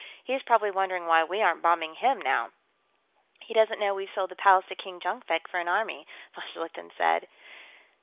He's probably wondering why we aren't bombing him, now." "He doesn't know we've sold the Palace to King Jonkvank for an army," von Schlichten said.